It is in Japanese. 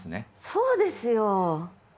そうですよ。